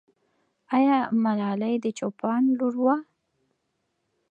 آیا ملالۍ د چوپان لور وه؟